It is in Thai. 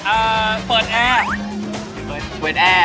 เอ่อเปิดแอร์